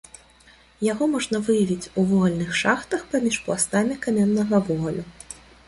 Яго можна выявіць у вугальных шахтах паміж пластамі каменнага вугалю.